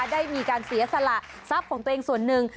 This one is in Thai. ได้มีการเสียสละทรัพย์ของตัวเองส่วนหนึ่ง